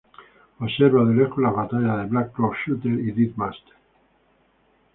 Observa de lejos las batallas de Black Rock Shooter y Dead Master.